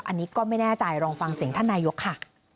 อันนี้ก็ไม่แน่ใจลองฟังเสียงท่านนายกค่ะ